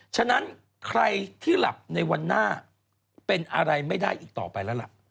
ฉะนั้นใครที่หลับในวันหน้าเป็นอะไรไม่ได้อีกต่อไปแล้วล่ะ